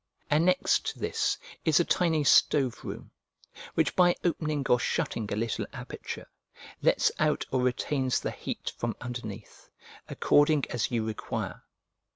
Annexed to this is a tiny stove room, which, by opening or shutting a little aperture, lets out or retains the heat from underneath, according as you require.